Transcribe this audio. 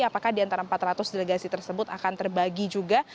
apakah di antara empat ratus delegasi tersebut akan terbagi juga